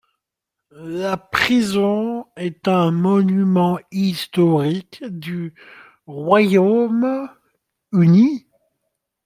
La prison est un monument historique du Royaume-Uni.